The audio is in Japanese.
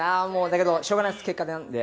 だけどしょうがないです結果なので。